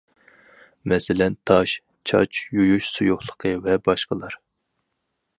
مەسىلەن: تاش، چاچ، يۇيۇش سۇيۇقلۇقى ۋە باشقىلار.